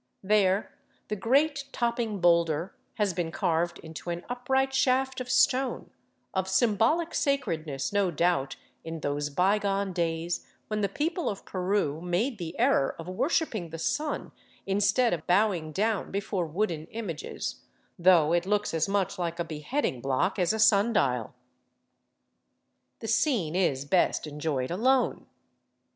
There the great topping boulder has been carved into an upright shaft of stone, of symbolic sacredness no doubt in those bygone days when the people of Peru made the error of worshipping the sun instead of bowing down before wooden images, though it looks as much like a beheading block as a sun dial. The scene is best enjoyed alone.